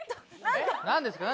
何ですか？